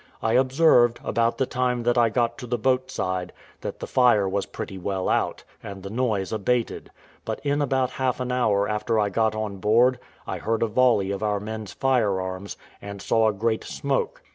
I observed, about the time that I came to the boat side, that the fire was pretty well out, and the noise abated; but in about half an hour after I got on board, I heard a volley of our men's firearms, and saw a great smoke.